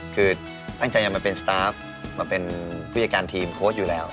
พร้้างใจจะมาเป็นผู้จัดการทีมโค้ชอยู่แล้ว